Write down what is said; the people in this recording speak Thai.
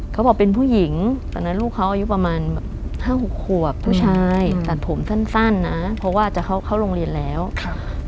เขาบอกเป็นผู้หญิงตอนนั้นลูกเขาอายุประมาณแบบห้าหกขวบผู้ชายตัดผมสั้นสั้นนะเพราะว่าจะเข้าเข้าโรงเรียนแล้วครับ